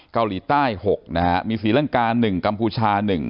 เกาหลีใต้๖นะฮะมีศรีลังกา๑กัมพูชา๑